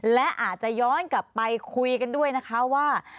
และอาจจะย้อนกลับไปคุยกันด้วยนะคะว่า